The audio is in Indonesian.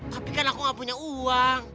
tapi kan aku gak punya uang